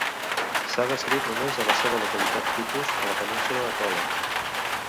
S'ha descrit només a la seva localitat tipus, a la Península de Kola.